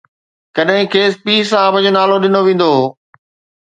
ڪڏهن کيس پير صاحب جو نالو ڏنو ويندو هو